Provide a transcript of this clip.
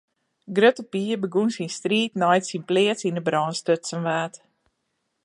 Grutte Pier begûn syn striid nei't syn pleats yn 'e brân stutsen waard.